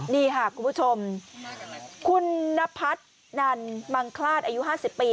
นี่ค่ะคุณผู้ชมคุณนพัฒนันมังคลาดอายุ๕๐ปี